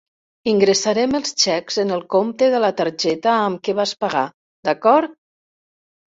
Ingressarem els xecs en el compte de la targeta amb què vas pagar, d'acord?